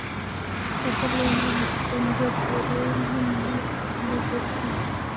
টাকা লেনদেনেকে কেন্দ্র করে মুন্না কালুকে খুন করেন বলে পুলিশ ধারণা করছে।